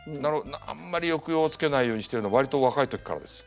あんまり抑揚をつけないようにしてるの割と若い時からです。